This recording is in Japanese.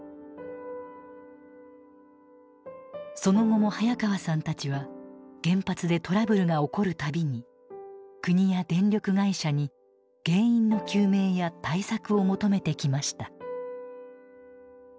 その後も早川さんたちは原発でトラブルが起こる度に国や電力会社に原因の究明や対策を求めてきました。